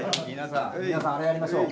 皆さんあれやりましょう。